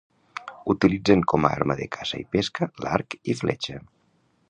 Utilitzen com a arma de caça i pesca l'arc i fletxa.